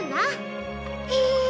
へえ！